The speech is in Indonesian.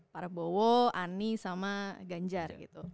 parabowo ani sama ganjar gitu